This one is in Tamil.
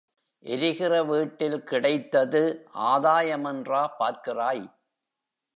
எரிகிற வீட்டில் கிடைத்தது ஆதாயமென்றா பார்க்கிறாய்?